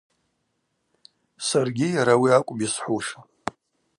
Саргьи йара ауи акӏвпӏ йсхӏвуш.